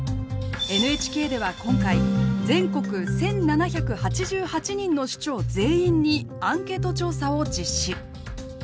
ＮＨＫでは今回全国１，７８８人の首長全員にアンケート調査を実施。